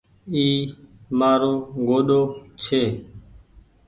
اي مآرو گوڏو ڇي۔